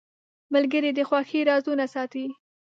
ملګری د خوښۍ رازونه ساتي.